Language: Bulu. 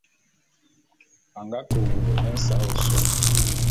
A nga ke a wulu nsa'a ôsôé.